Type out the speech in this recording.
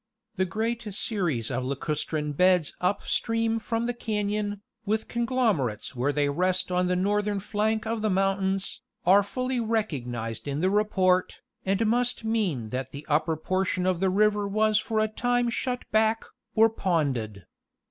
The great series of lacustrine beds up stream from the canon, with conglomerates where they rest on the northern flank of the mountains, are fully recognized in the report, and must mean that the upper portion of the river was for a time shut back, or ponded.